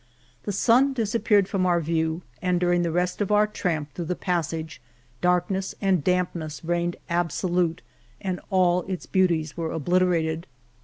The sun disappeared from our view, and during the rest of our tramp through the passage, darkness and dampness reigned absolute and all its beauties were obliter ated.